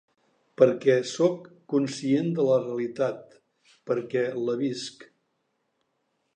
Perquè sóc conscient de la realitat perquè la visc.